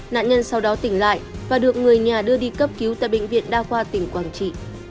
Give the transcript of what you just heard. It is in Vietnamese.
nạn nhân sau đó tỉnh lại và được người nhà đưa đi cấp cứu tại bệnh viện đa khoa tỉnh quảng trị